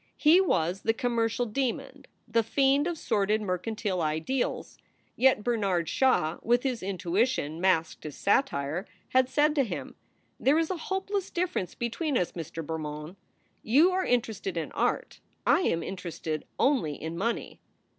He was the commercial demon, the fiend of sordid mer cantile ideals. Yet Bernard Shaw, with his intuition masked as satire, had said to him, "There is a hopeless difference between us, Mr. Bermond: ycu are interested in art; I am interested only in money."